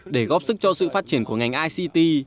để góp sức cho sự phát triển của ngành ict